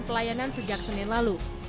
pelayanan sejak senin lalu